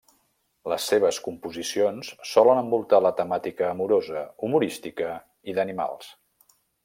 Les seves composicions solen envoltar la temàtica amorosa, humorística i d'animals.